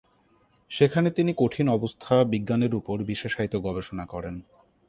সেখানে তিনি কঠিন অবস্থা বিজ্ঞানের উপর বিশেষায়িত গবেষণা করেন।